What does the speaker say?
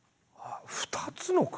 ２つの国？